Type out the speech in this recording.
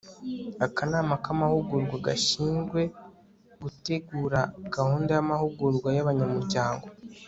akanama k'amahugurwa gashyinzwe gutegura gahunda y'amahugurwa y'abanyamuryango